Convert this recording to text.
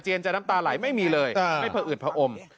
เจียนจะน้ำตาไหลไม่มีเลยไม่เผอิดเผอม